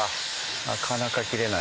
なかなか切れない。